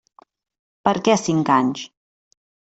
Per què cinc anys?